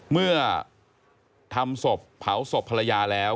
เมื่อทำศพเผาศพภรรยาแล้ว